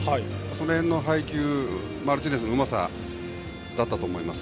その辺の配球、マルティネスのうまさだったと思います。